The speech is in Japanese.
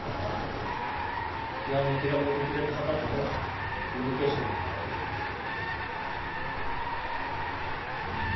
批判の手紙を送って頂いた方とのコミュニケーションだったかなと思いますね。